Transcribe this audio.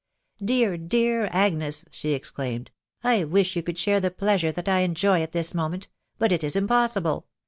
" Dear, dear Agnes I" she exclaimed, " I wish you could share the pleasure that I enjoy at thia iaat&£C& — \k& Sfc. Nst impossible.